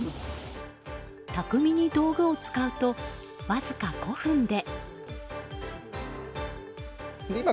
巧みに道具を使うとわずか５分で。